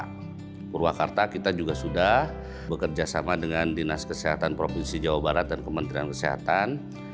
di purwakarta kita juga sudah bekerja sama dengan dinas kesehatan provinsi jawa barat dan kementerian kesehatan